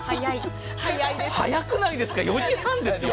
早くないですか、４時半ですよ。